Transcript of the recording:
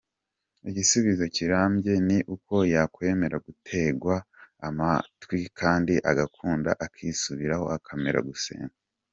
Igisubizo kirambye ni uko yakwemera gutegwa amatwi kandi agakunda akisubiraho akemera gusenga.